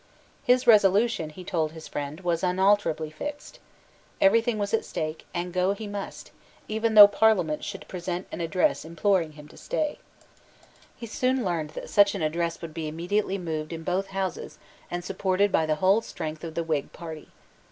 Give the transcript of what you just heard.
His resolution, he told his friend, was unalterably fixed. Every thing was at stake; and go he must, even though the Parliament should present an address imploring him to stay, He soon learned that such an address would be immediately moved in both Houses and supported by the whole strength of the Whig party.